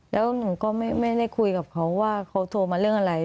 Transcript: แล้วหนูก็ไม่ได้คุยกับเขาว่าเขาโทรมาเรื่องอะไร